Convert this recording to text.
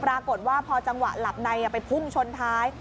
ปรากฏว่าพอจังหวะหลับในไปพุ่งชนท้าย